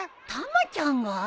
たまちゃんが？